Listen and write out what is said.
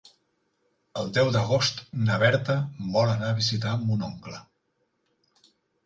El deu d'agost na Berta vol anar a visitar mon oncle.